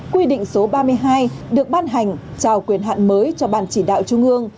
quy định số ba mươi hai được ban hành trao quyền hạn mới cho ban chỉ đạo trung ương